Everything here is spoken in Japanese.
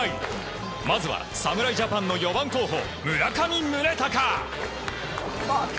まずは侍ジャパンの４番候補村上宗隆。